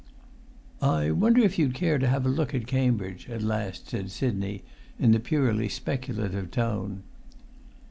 "I wonder if you'd care to have a look at Cam[Pg 294]bridge," at last said Sidney, in the purely speculative tone.